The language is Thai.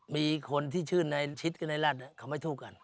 มีคนที่ชื่อในชิดกับนายรัฐเขาไม่ถูกกัน